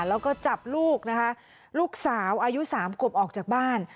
แล้วก็จับลูกนะคะลูกสาวอายุ๓ขวบออกจากบ้าน